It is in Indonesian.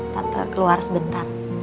tante keluar sebentar